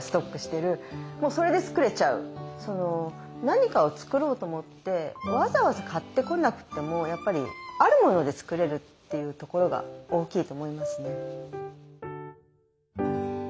何かを作ろうと思ってわざわざ買ってこなくてもやっぱりあるもので作れるっていうところが大きいと思いますね。